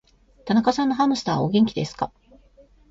田中さんのハムスターは、お元気ですか。